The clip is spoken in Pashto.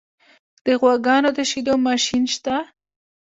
د غواګانو د شیدو ماشین شته؟